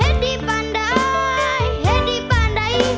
เหตุดีปันไดเหตุดีปันได